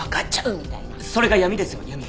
それが闇ですよ闇。